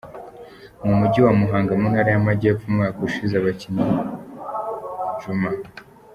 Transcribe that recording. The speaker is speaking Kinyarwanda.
mujyi wa Muhanga mu ntara yAmajyepfo, umwaka ushize abakinnyi Djuma.